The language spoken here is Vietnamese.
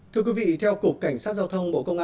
thưa quý vị theo cục cảnh sát giao thông